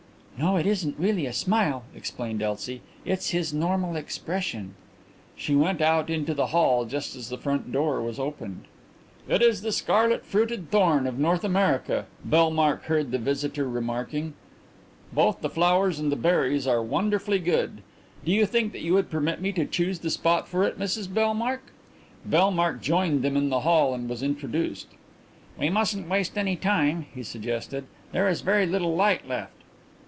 "No, it isn't really a smile," explained Elsie; "it's his normal expression." She went out into the hall just as the front door was opened. "It is the 'Scarlet fruited thorn' of North America," Bellmark heard the visitor remarking. "Both the flowers and the berries are wonderfully good. Do you think that you would permit me to choose the spot for it, Mrs Bellmark?" Bellmark joined them in the hall and was introduced. "We mustn't waste any time," he suggested. "There is very little light left."